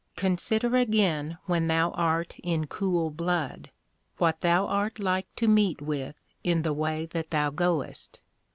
Consider again when thou art in cool blood, what thou art like to meet with in the way that thou goest.